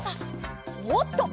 おっと！